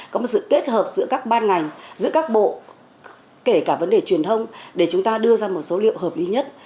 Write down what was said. có một sự kết hợp giữa các ban ngành giữa các bộ kể cả vấn đề truyền thông để chúng ta đưa ra một số liệu hợp lý nhất